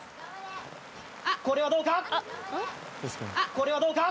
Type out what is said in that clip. これはどうか？